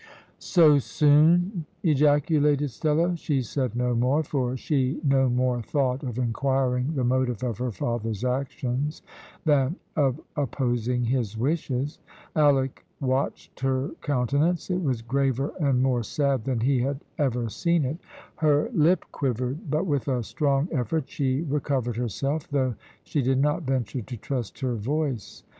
"So soon!" ejaculated Stella. She said no more, for she no more thought of inquiring the motive of her father's actions than of opposing his wishes. Alick watched her countenance. It was graver and more sad than he had ever seen it. Her lip quivered, but with a strong effort she recovered herself, though she did not venture to trust her voice.